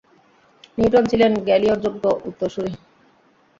Newton ছিলেন গ্যালিওর যোগ্য উত্তসুরি।